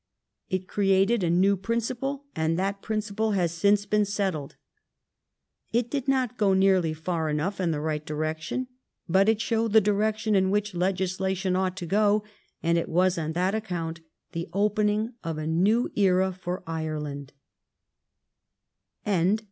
It created a new principle, and that principle has since been settled. It did not go nearly far enough in the right di rection, but it showed the direction in which legis lation ought to go, and it was on that account the opening of a new era for Ireland.